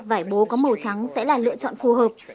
vải bố có màu trắng sẽ là lựa chọn phù hợp